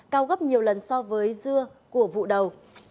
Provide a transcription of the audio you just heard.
cao gấp nhiều lần so với dưa của vụ đầu